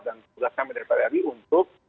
dan tugas kami dari tadi tadi untuk